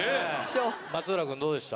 松浦君どうでした？